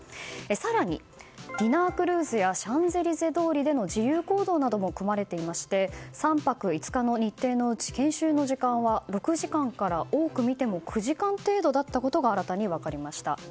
更にディナークルーズやシャンゼリゼ通りでの自由行動なども組まれていまして３泊５日の日程のうち研修の時間は６時間から多く見ても９時間程度だったことが新たに分かりました。